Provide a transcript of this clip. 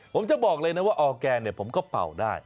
ผมจะบอกเลยนะว่าออร์แกนเนี่ยผมก็เป่าได้